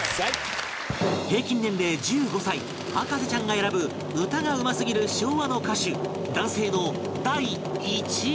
平均年齢１５歳博士ちゃんが選ぶ歌がうますぎる昭和の歌手男性の第１位は